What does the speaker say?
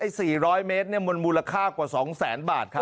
ไอ้๔๐๐เมตรเนี่ยมนต์มูลค่ากว่า๒๐๐๐๐๐บาทครับ